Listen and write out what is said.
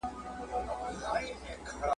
بیا یې هم ,